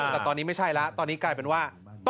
แต่ตอนนี้ไม่ใช่แล้วตอนนี้กลายเป็นว่า